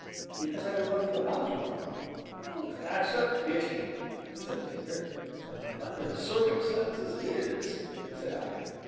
"Because I know nothing about love." "That's a pity," said the Tinker. "Under the circumstances, it is," said I.